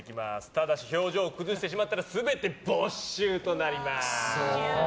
ただし、表情を崩してしまったら全て没収となります！